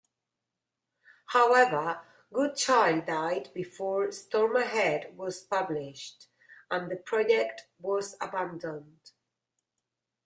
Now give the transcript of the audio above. However, Goodchild died before "Storm Ahead" was published and the project was abandoned.